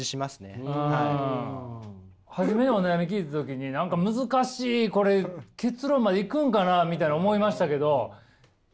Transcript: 初めお悩み聞いた時に何か難しいこれ結論までいくんかなみたいな思いましたけどいきましたね。